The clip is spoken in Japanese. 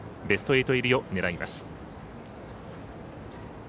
ベスト８入りを狙います。